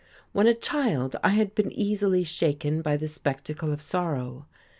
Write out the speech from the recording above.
When a child, I had been easily shaken by the spectacle of sorrow.